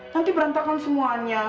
nanti berantakan semuanya